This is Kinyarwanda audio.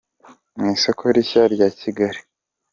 mu isoko rishya rya Kigali.